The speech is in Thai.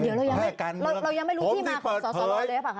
เดี๋ยวเรายังไม่รู้เรายังไม่รู้ที่มาของสอสรเลยหรือเปล่าคะ